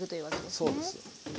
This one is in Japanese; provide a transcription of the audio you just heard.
そうです。